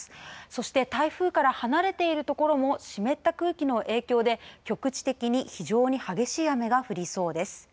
そして、台風から離れている所も湿った空気の影響で局地的に非常に激しい雨が降りそうです。